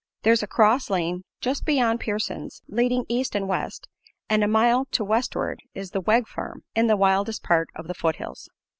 There's a cross lane just beyond Pearson's, leading east and west, and a mile to westward is the Wegg Farm, in the wildest part of the foothills.